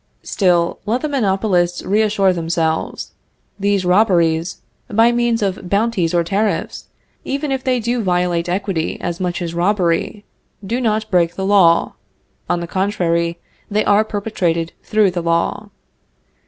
Still, let the monopolists reassure themselves. These robberies, by means of bounties or tariffs, even if they do violate equity as much as robbery, do not break the law; on the contrary, they are perpetrated through the law.